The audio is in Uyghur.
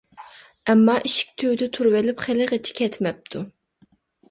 ئەمما ئىشىك تۈۋىدە تۇرۇۋېلىپ خېلىغىچە كەتمەپتۇ.